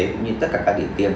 cũng như tất cả các địa tiên